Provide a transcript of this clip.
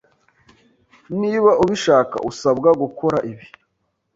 niba ubishaka usabwa gukora ibi